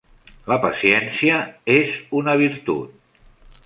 La paciència és una virtut.